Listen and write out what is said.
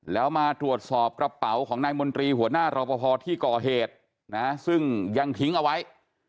แล้วมาตรวจสอบกระเป๋าของนายมนตรีหัวหน้ารอปภที่ก่อเหตุนะซึ่งยังทิ้งเอาไว้